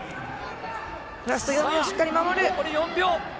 ラスト４秒、しっかり守る。